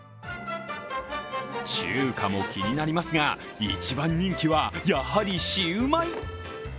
中華も気になりますが一番人気はやはりシウマイ。